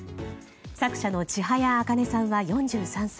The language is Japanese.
作者の千早茜さんは４３歳。